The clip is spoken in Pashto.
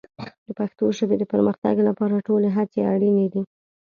د پښتو ژبې د پرمختګ لپاره ټولې هڅې اړین دي.